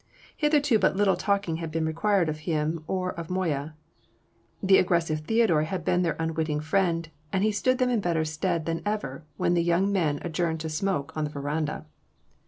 Hitherto but little talking had been required of him or of Moya. The aggressive Theodore had been their unwitting friend, and he stood them in better stead than ever when the young men adjourned to smoke on the verandah.